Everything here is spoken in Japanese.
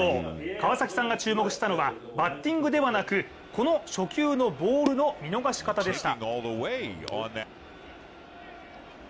川崎さんが注目したのはバッティングではなくこの初球のボールの見逃し方でした。